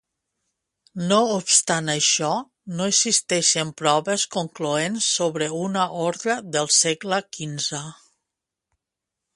No obstant això, no existeixen proves concloents sobre una ordre del segle XV.